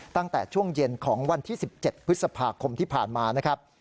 ตั้งแต่ช่วงเย็นของวันที่๑๗พฤษภาคมที่ผ่านมานะครับ